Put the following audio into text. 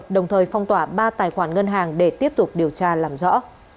đồng thời phong tỏa ba tài khoản ngân hàng để tiếp tục điều tra làm rõ